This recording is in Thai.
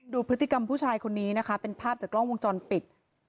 ดูพฤติกรรมผู้ชายคนนี้นะคะเป็นภาพจากกล้องวงจรปิด